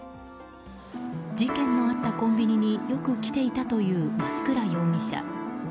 事件のあったコンビニによく来ていたという増倉容疑者。